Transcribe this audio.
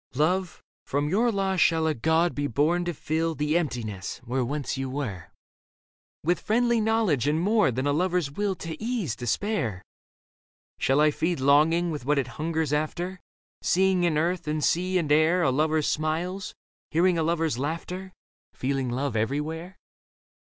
Love, from your loss shall a god be born to fill The emptiness, where once you were, With friendly knowledge and more than a lover's will To ease despair ? Shall I feed longing with what it hungers after, Seeing in earth and sea and air A lover's smiles, hearing a lover's laughter, Feeling love everywhere